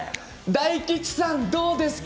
大吉さん、どうでしたか？